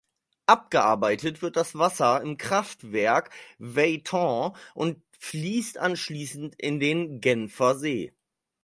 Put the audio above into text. Abgearbeitet wird das Wasser im Kraftwerk Veytaux und fließt anschließend in den Genfersee.